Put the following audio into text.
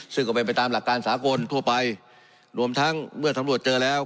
ซึ่งก็เป็นไปตามหลักการสากลทั่วไปรวมทั้งเมื่อสำรวจเจอแล้ว